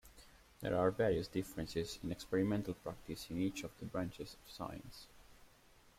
There are various differences in experimental practice in each of the branches of science.